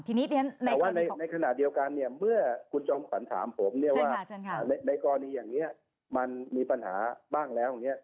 แต่ว่าในขณะเดียวกันเมื่อคุณจอมฝันถามผมว่าในกรณีอย่างนี้มันมีปัญหาบ้างแล้ว